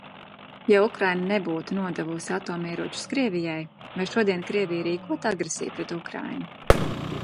Ja Ukraina nebūtu nodevusi atomieročus Krievijai, vai šodien Krievija rīkotu agresiju pret Ukrainu?